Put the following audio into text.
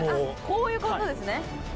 こういうことですね。